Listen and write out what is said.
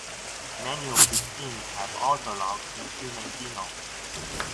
Many of these genes have orthologs in the human genome.